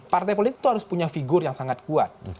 partai politik itu harus punya figur yang sangat kuat